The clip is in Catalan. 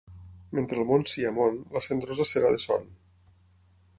Mentre el món sia món, la Cendrosa serà de Son.